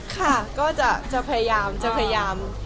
ค่ะก็จะพยายามจะพยายาม